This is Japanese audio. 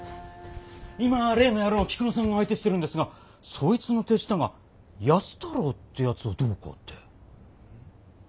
今例の野郎を菊野さんが相手してるんですがそいつの手下が安太郎ってやつをどうこうって。